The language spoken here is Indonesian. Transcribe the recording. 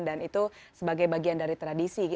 dan itu sebagai bagian dari tradisi